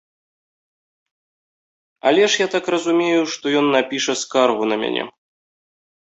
Але ж я так разумею, што ён напіша скаргу на мяне.